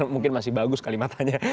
mungkin masih bagus kalimatanya